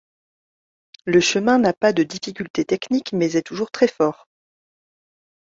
Le chemin n'a pas de difficultés techniques, mais est toujours très fort.